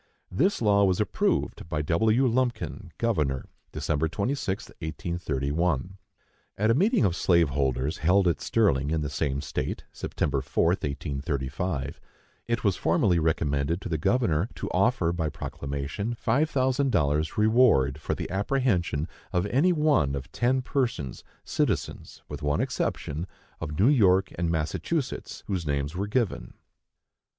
This law was approved by W. Lumpkin, Governor, Dec. 26, 1831. At a meeting of slave holders held at Sterling, in the same state, September 4, 1835, it was formally recommended to the governor to offer, by proclamation, five thousand dollars reward for the apprehension of any one of ten persons, citizens, with one exception, of New York and Massachusetts, whose names were given.